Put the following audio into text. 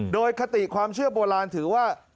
โดยคติความเชื่อโบราณถือว่า